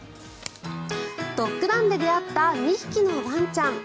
ドッグランで出会った２匹のワンちゃん。